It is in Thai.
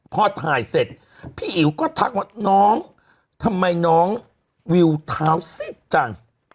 พอถ่ายเสร็จพี่อิ๋วก็ทักว่าน้องทำไมน้องวิวเท้าซีดจัง